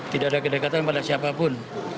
tidak ada kedekatan pada siapapun